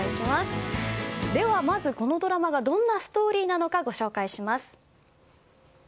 まず、このドラマがどんなストーリーなのかご紹介します。